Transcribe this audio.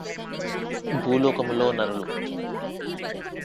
భూలోకములో నరులు